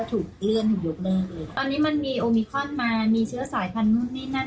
แต่ถึงจะไม่ได้เจอแฟนหน้าเมื่อกี้